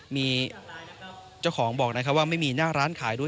มีเจ้าของบอกนะครับว่าไม่มีหน้าร้านขายด้วย